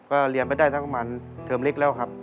ก็เรียนไปได้สักประมาณเทอมเล็กแล้วครับ